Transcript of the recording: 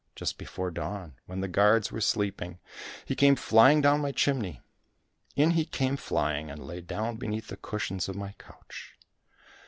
" Just before dawn, when the guards were sleep ing, he came flying down my chimney. In he came flying, and lay down beneath the cushions of my couch."